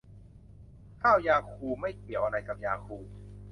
ข้าวยาคู ไม่เกี่ยวอะไรกับยาคูลท์